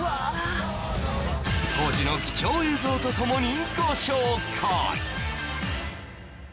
当時の貴重映像とともにご紹介